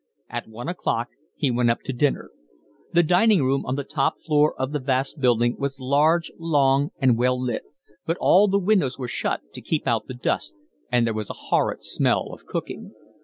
At one o'clock he went up to dinner. The dining room, on the top floor of the vast building, was large, long, and well lit; but all the windows were shut to keep out the dust, and there was a horrid smell of cooking.